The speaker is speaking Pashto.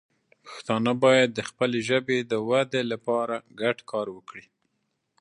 پښتانه باید د خپلې ژبې د وده لپاره ګډ کار وکړي.